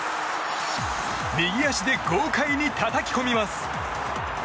右足で豪快にたたき込みます。